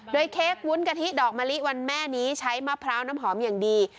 โดยเค้กวุ้นกะทิดอกมะลิวันแม่นี้ใช้มะพร้าวน้ำหอมอย่างดี